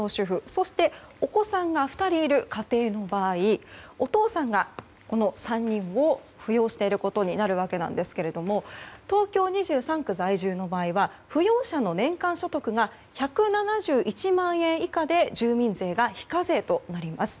そして、お子さんが２人いるご家庭の場合お父さんが、３人を扶養していることになるわけですが東京２３区在住の場合は扶養者の年間所得が１７１万円以下で住民税が非課税となります。